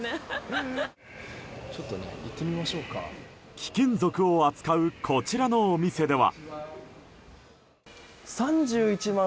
貴金属を扱うこちらのお店では。